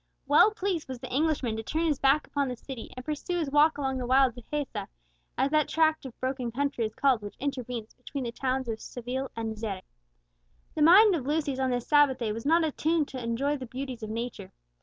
Well pleased was the Englishman to turn his back upon the city, and pursue his walk along the wild Dehesa, as that tract of broken country is called which intervenes between the towns of Seville and Xeres. The mind of Lucius on this Sabbath day was not attuned to enjoy the beauties of nature.